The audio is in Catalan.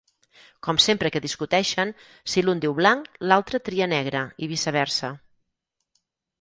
Com sempre que discuteixen, si l'un diu blanc l'altre tria negre i viceversa.